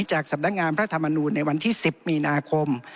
จากสำนักงานพระธรรมนูลในวันที่๑๐มีนาคม